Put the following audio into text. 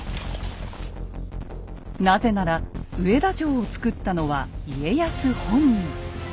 なぜなら上田城を造ったのは家康本人。